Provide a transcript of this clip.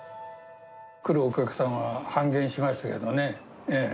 来るお客さんは半減しました